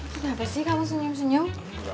kenapa sih kamu senyum senyum